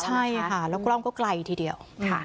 ใช่ค่ะแล้วกล้องก็ไกลทีเดียว